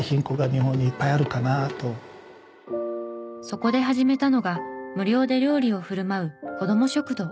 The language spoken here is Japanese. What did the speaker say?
そこで始めたのが無料で料理を振る舞うこども食堂。